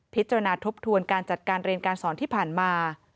พิจารณาทบทวนการจัดการเรียนการสอนที่ผ่านมา